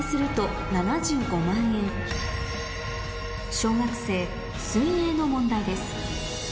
小学生の問題です